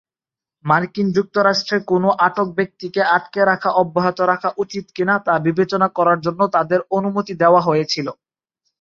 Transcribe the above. মার্কিন যুক্তরাষ্ট্রে কোনও আটক ব্যক্তিকে আটকে রাখা অব্যাহত রাখা উচিত কিনা তা বিবেচনা করার জন্য তাদের অনুমতি দেওয়া হয়েছিল।